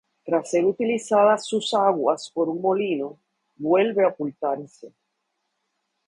Tras ser utilizadas sus aguas por un molino, vuelve a ocultarse.